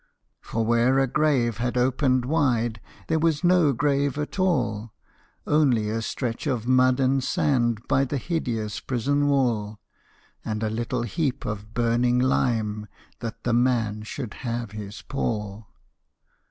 For where a grave had opened wide, There was no grave at all: Only a stretch of mud and sand By the hideous prison wall, And a little heap of burning lime, That the man should have his pall.